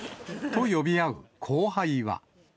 と、呼び合う後輩は。